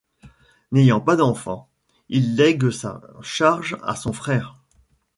N'ayant pas d'enfants, il lègue sa charge à son frère.